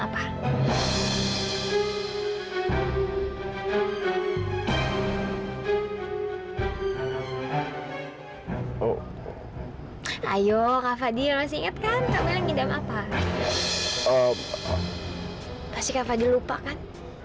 pasti kak fadil lupa kan